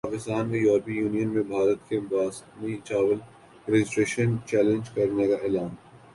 پاکستان کا یورپی یونین میں بھارت کی باسمتی چاول کی رجسٹریشن چیلنج کرنیکا اعلان